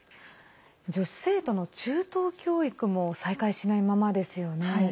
女子生徒の中等教育も再開しないままですよね。